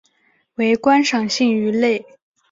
为观赏性鱼类。